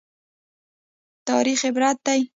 تاریخ عبرت دی